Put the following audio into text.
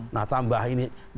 nah tambah ini